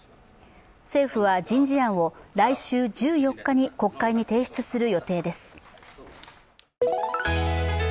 政府は人事案を来週１４日に国会に提示する予定です。